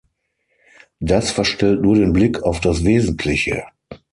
Das verstellt nur den Blick auf das Wesentliche.